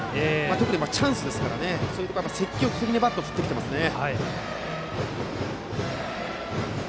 特にチャンスなので積極的にバットを振ってきてますね。